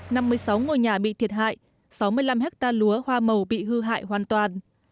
năm mươi sáu ngôi nhà bị thiệt hại sáu mươi năm hectare lúa hoa màu bị hư hại hoàn toàn